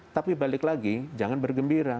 tapi balik lagi jangan bergembira